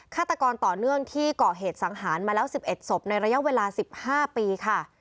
ฆาตกรต่อเนื่องที่ก่อเหตุสังหารมาแล้ว๑๑ศพในระยะเวลา๑๕ปีค่ะ